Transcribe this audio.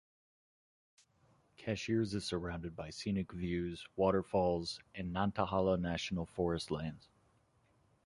Cashiers is surrounded by scenic views, waterfalls and Nantahala National Forest lands.